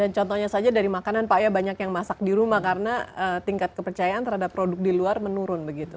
contohnya saja dari makanan pak ya banyak yang masak di rumah karena tingkat kepercayaan terhadap produk di luar menurun begitu